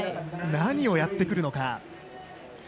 何をやってくるのか。